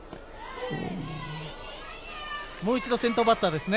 もう一度先頭バッターですね。